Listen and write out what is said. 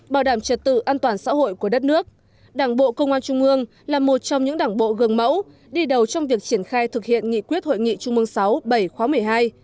bộ gần mẫu đi đầu trong việc triển khai thực hiện nghị quyết hội nghị trung mương sáu bảy khóa một mươi hai